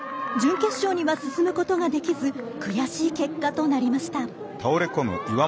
準決勝には進むことができず悔しい結果となりました。